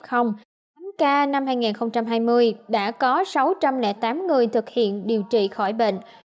cả năm hai nghìn hai mươi đã có sáu trăm linh tám người thực hiện điều trị khỏi bệnh